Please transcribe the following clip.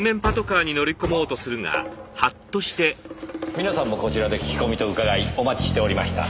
皆さんもこちらで聞き込みと伺いお待ちしておりました。